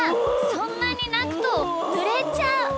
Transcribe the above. そんなになくとぬれちゃう。